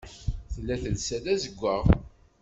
Tella telsa d azeggaɣ.